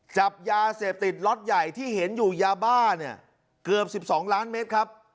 จับยาเสพติดล็อตใหญ่ที่เห็นอยู่ยาบ้าเนี่ยเกือบ๑๒ล้านเมตรครับ